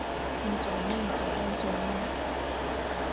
要做咩就好做喇